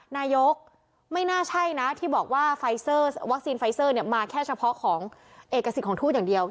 นายกไม่น่าใช่นะที่บอกว่าวัคซีนไฟซอร์มาแค่เฉพาะของเอกสิทธิ์ของทูตอย่างเดียว